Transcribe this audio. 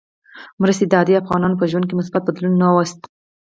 مرستې د عادي افغانانو په ژوند کې مثبت بدلون نه وست.